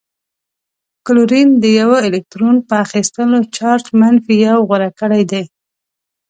کلورین د یوه الکترون په اخیستلو چارج منفي یو غوره کړی دی.